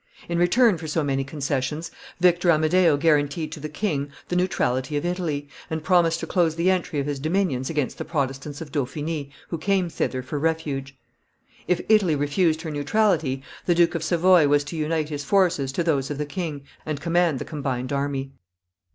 In return for so many concessions, Victor Amadeo guaranteed to the king the neutrality of Italy, and promised to close the entry of his dominions against the Protestants of Dauphiny who came thither for refuge. If Italy refused her neutrality, the Duke of Savoy was to unite his forces to those of the king and command the combined army.